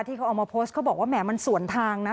ที่เขาเอามาโพสต์เขาบอกว่าแหมมันสวนทางนะ